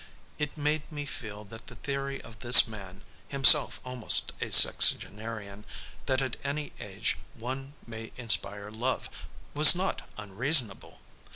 It made me feel that the theory of this man, himself almost a sexagenarian, that at any age one may inspire love, was not unreasonable!